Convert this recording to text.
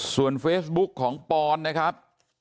ส่วนเฟซบุ๊กของปอนนะครับ